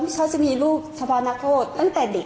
เขาชอบจะมีรูปเฉพาะพนักโตฯตั้งแต่เด็ก